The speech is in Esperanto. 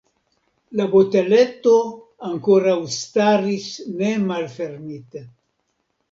La boteleto ankoraŭ staris nemalfermite.